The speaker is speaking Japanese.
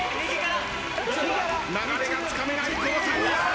流れがつかめないこの３人。